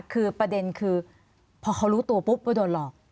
คือประเด็นคือพอเขารู้ตัวปุ๊บว่าโดนหลอก